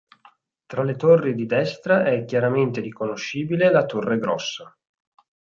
Tra le torri di destra è chiaramente riconoscibile la Torre Grossa.